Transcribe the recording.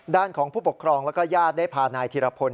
ด้านของผู้ปกครองและนายธีรพล